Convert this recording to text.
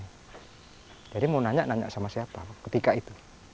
jadi mau nanya nanya sama siapa ketika itu